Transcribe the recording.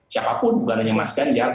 siapapun bukan hanya mas ganjar